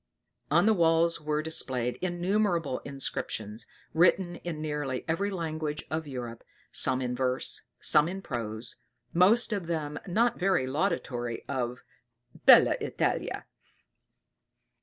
On the walls were displayed innumerable inscriptions, written in nearly every language of Europe, some in verse, some in prose, most of them not very laudatory of "bella Italia."